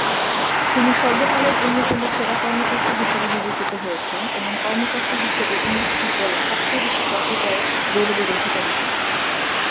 তিনি সর্বকালের অন্যতম সেরা কর্মকর্তা হিসাবে বিবেচিত হয়েছেন এবং কর্মকর্তা হিসেবে ইংলিশ ফুটবলে সবচেয়ে বেশি ট্রফি জয়ের গৌরবের অধিকারী তিনি।